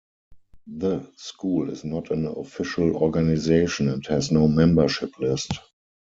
The school is not an official organization and has no membership list.